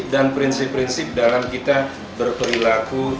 dan prinsip prinsip dalam kita berperilaku